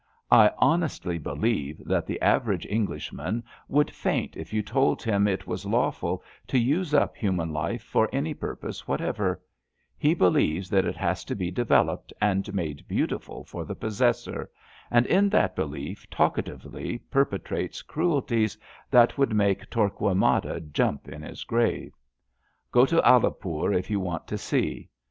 I honestly believe that the average Eng lishman would faint if you told him it was lawful to use up hnman life for any purpose whatever* He believes that it has to be developed and made beautiful for the possessor, and in that belief talkatively perpetrates cruelties that would make Torquemada jump in his grave. Qto to Alipur if you want to see.